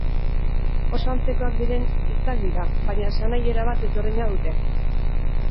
Oso antzekoak diren hitzak dira, baina esanahi erabat ezberdina dute.